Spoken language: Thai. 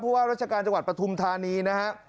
ผู้ว่ารัชการจังหวัดประธุมธานีนะคะ